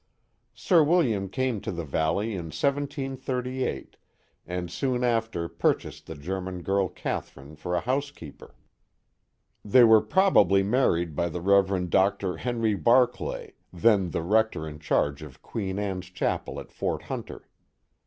Sir William came to the valley in 1738, and soon after purchased the German girl Catherine for a housekeeper. They were probably married by the Rev. Dr. Henry Barclay, then the rector in charge of Queen Anne's Chapel at Fort Hunter.